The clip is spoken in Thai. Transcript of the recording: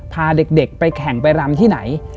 พาเด็กไปแข่งไปรำที่ไหน